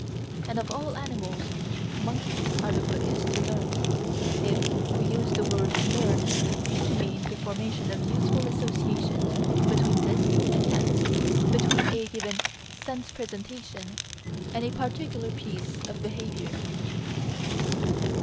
And of all animals monkeys are the quickest to learn, if we use the word "learn" to mean the formation of useful associations between this and that, between a given sense presentation and a particular piece of behaviour.